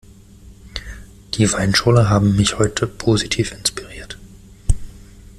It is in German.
Die Weinschorle haben mich heute positiv inspiriert.